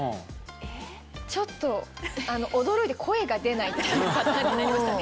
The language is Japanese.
ちょっと驚いて声が出ないっていうパターンになりましたね